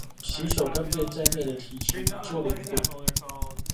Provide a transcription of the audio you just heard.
其手段便在滅了體質以救靈魂